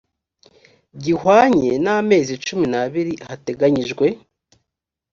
gihwanye n amezi cumi n abiri hateganyijwe